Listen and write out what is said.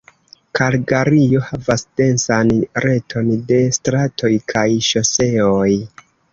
Kalgario havas densan reton de stratoj kaj ŝoseoj.